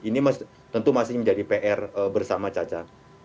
ini tentu masih menjadi pr bersama caca